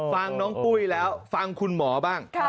ฟังน้องปุ้ยแล้วฟังคุณหมอบ้าง